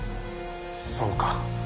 そうか。